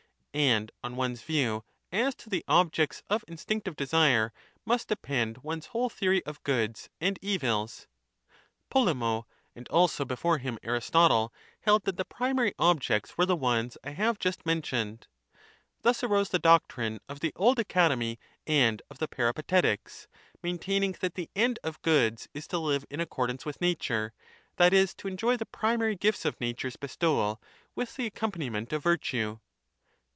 And on one's view as to the objects of instinctive desire must depend one's whole theory of Goods and Evils. Polemo, and also before him Aristotle, held that the primary objects were the ones I have just men tioned. Thus arose the doctrine of the Old Academy and of the Peripatetics, maintaining that the End of Goods is to live in accordance with Nature, that is, to ' enjoy the primary gifts of Nature's bestowal with the accompaniment of virtue.